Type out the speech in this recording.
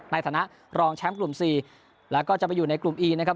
ในฐานะรองแชมป์กลุ่ม๔แล้วก็จะไปอยู่ในกลุ่มอีนะครับ